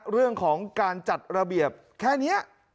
เรื่องของการจัดระเบียบแค่นี้